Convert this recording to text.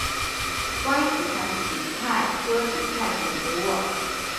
光叶堇菜是堇菜科堇菜属的植物。